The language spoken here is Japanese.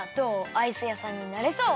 アイス屋さんになれそう？